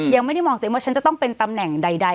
ยังไม่ได้มองตัวเองว่าฉันจะต้องเป็นตำแหน่งใด